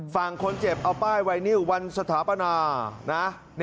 ฝั่งคนเจ็บเอาป้ายไวนิววันสถาปนานะ